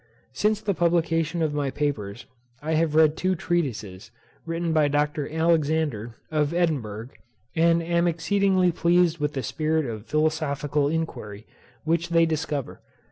Since the publication of my papers, I have read two treatises, written by Dr. Alexander, of Edinburgh, and am exceedingly pleased with the spirit of philosophical inquiry, which they discover.